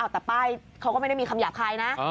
แต่ป้ายเขาก็ไม่ได้มีคำหยาบคายนะ